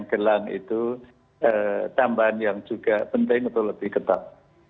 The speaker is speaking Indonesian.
dan gelang itu tambahan yang juga penting atau lebih ketat